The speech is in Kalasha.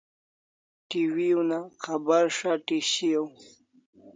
TV una khabar shati shiaw